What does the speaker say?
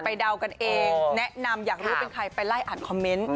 เดากันเองแนะนำอยากรู้เป็นใครไปไล่อ่านคอมเมนต์